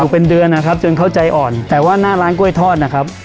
เป็นเดือนนะครับจนเขาใจอ่อนแต่ว่าหน้าร้านกล้วยทอดนะครับ